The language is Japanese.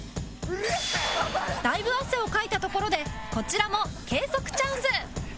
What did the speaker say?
だいぶ汗をかいたところでこちらも計測チャンス